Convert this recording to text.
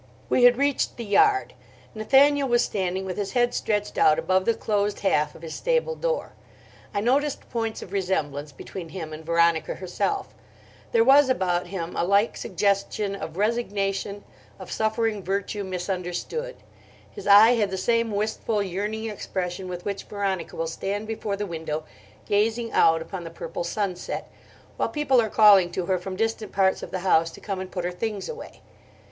We had reached the yard. Nathaniel was standing with his head stretched out above the closed half of his stable door. I noticed points of resemblance between him and Veronica herself: there was about him a like suggestion of resignation, of suffering virtue misunderstood; his eye had the same wistful, yearning expression with which Veronica will stand before the window gazing out upon the purple sunset, while people are calling to her from distant parts of the house to come and put her things away.